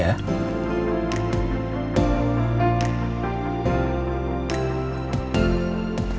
makasih ya sayang